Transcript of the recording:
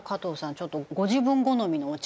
ちょっとご自分好みのお茶